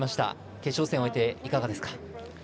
決勝戦を終えていかがですか？